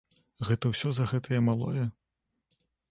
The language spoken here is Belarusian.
Гэта ўсё з-за гэтае малое?